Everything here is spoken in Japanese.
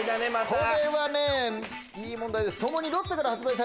これはいい問題です。